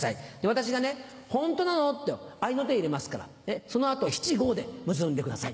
私が「ホントなの？」と合いの手を入れますからその後七・五で結んでください。